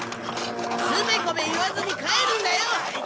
つべこべ言わずに帰るんだよ！